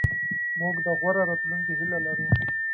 موږ د غوره راتلونکي هیله لرو.